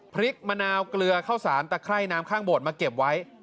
พริกมะนาวเกลือข้าวสารตะไคร่น้ำข้างโบสถ์มาเก็บไว้